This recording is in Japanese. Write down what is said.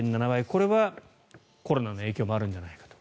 これはコロナの影響もあるんじゃないかと。